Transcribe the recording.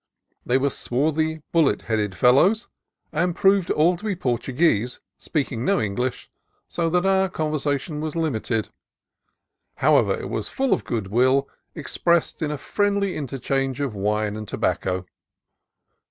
They were swarthy, bullet headed fellows, and proved all to be Portuguese, speaking no English, so that our conversation was limited. However, it was full of good will, expressed in a friendly interchange of wine and tobacco.